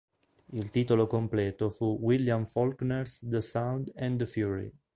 Il titolo completo fu "William Faulkner's The Sound and the Fury".